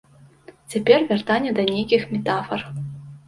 Цяпер вяртанне да нейкіх метафар.